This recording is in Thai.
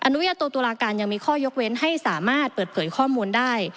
นุญาโตตุลาการยังมีข้อยกเว้นให้สามารถเปิดเผยข้อมูลได้